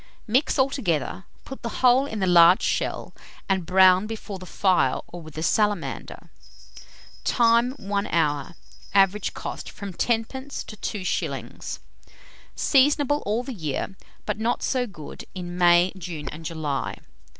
Mix altogether, put the whole in the large shell, and brown before the fire or with a salamander. Time. 1 hour. Average cost, from 10d. to 2s. Seasonable all the year; but not so good in May, June, and July.